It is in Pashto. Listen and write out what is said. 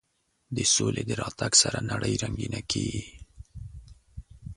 د سولې د راتګ سره نړۍ رنګینه کېږي.